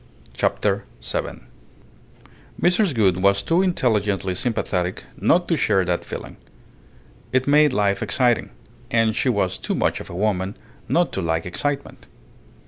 CHAPTER SEVEN Mrs. Gould was too intelligently sympathetic not to share that feeling. It made life exciting, and she was too much of a woman not to like excitement.